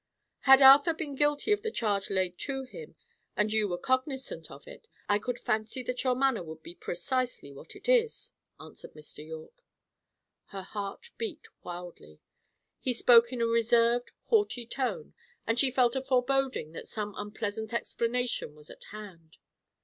"Had Arthur been guilty of the charge laid to him, and you were cognizant of it, I could fancy that your manner would be precisely what it is," answered Mr. Yorke. Her heart beat wildly. He spoke in a reserved, haughty tone, and she felt a foreboding that some unpleasant explanation was at hand.